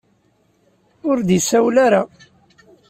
Ur d-isawel ara.